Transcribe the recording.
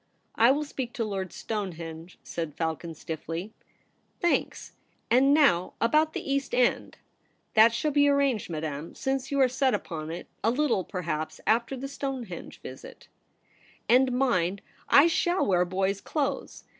' I will speak to Lord Stonehenge,' said Falcon stiffly. ' Thanks. And now about the East End.' ' That shall be arranged, Madame, since you are set upon it — a little, perhaps, after the Stonehenge visit/ THE REBEL ROSE. ' And mind — I shall wear boy's clothes.